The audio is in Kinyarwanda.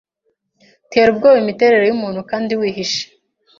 Tera ubwoba imiterere yumuntu Kandi Wihishe